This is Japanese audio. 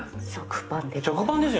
食パンです。